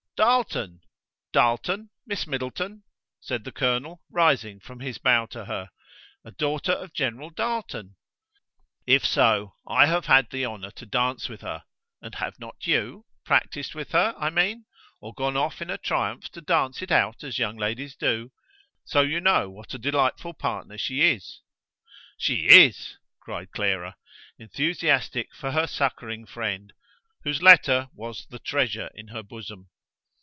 "Darleton? Darleton, Miss Middleton?" said the colonel, rising from his bow to her: "a daughter of General Darleton? If so, I have had the honour to dance with her. And have not you? practised with her, I mean; or gone off in a triumph to dance it out as young ladies do? So you know what a delightful partner she is." "She is!" cried Clara, enthusiastic for her succouring friend, whose letter was the treasure in her bosom.